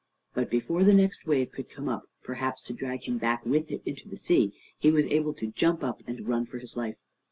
But before the next wave could come up, perhaps to drag him back with it into the sea, he was able to jump up and run for his life.